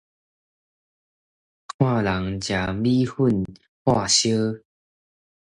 看人食米粉喝燒